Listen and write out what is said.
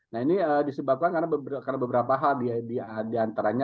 nah ini disebabkan karena beberapa hal di antaranya